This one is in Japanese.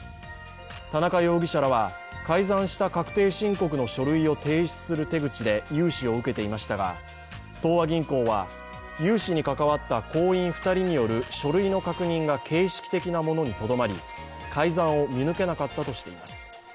田中容疑者らは改ざんした確定申告の書類を提出する手口で融資を受けていましたが東和銀行は、融資に関わった行員２人による書類の確認が形式的なものにとどまり改ざんを見抜けなかったとしています。